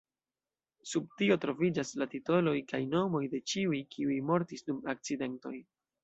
Sub tio troviĝas la titoloj kaj nomoj de ĉiuj, kiuj mortis dum akcidentoj.